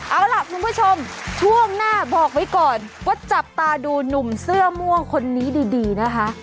เอาล่ะคุณผู้ชมช่วงหน้าบอกไว้ก่อนว่าจับตาดูหนุ่มเสื้อม่วงคนนี้ดีนะคะ